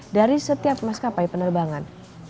dari setiap maskapai penerbangan